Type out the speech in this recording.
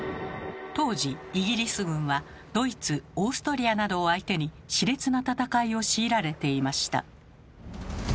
当時イギリス軍はドイツ・オーストリアなどを相手にしれつな戦いを強いられていました。